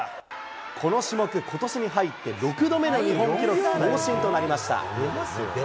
この種目、ことしに入って６度目の日本記録更新となりました。